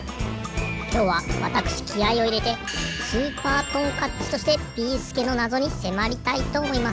きょうはわたくしきあいをいれてスーパートンカッチとしてビーすけのなぞにせまりたいとおもいます。